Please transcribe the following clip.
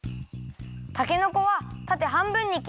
たけのこはたてはんぶんにきったら。